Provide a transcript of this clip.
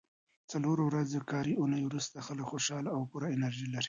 د څلورو ورځو کاري اونۍ وروسته خلک خوشاله او پوره انرژي لري.